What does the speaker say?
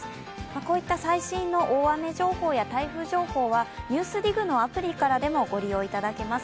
こういった最新の大雨情報や台風情報はＮＥＷＳＤＩＧのアプリからもご利用いただけます。